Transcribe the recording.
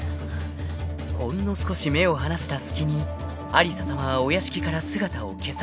［ほんの少し目を離した隙に有沙さまはお屋敷から姿を消されました］